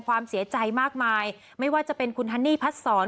ความเสียใจมากมายไม่ว่าจะเป็นคุณฮันนี่พัดสอน